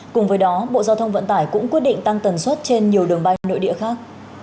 cùng với đó bộ giao thông vận tải cũng quyết định tăng tần suất trên nhiều đường bay nội địa khác